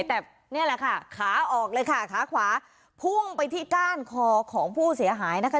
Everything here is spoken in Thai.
แต่นี่แหละค่ะขาออกเลยค่ะขาขวาพุ่งไปที่ก้านคอของผู้เสียหายนะคะ